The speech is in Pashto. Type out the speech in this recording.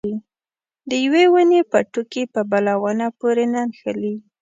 د یوې ونې پوټکي په بله ونه پورې نه نښلي.